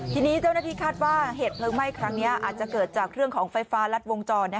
ทีนี้เจ้าหน้าที่คาดว่าเหตุเพลิงไหม้ครั้งนี้อาจจะเกิดจากเรื่องของไฟฟ้ารัดวงจร